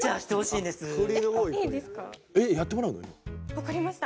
わかりました。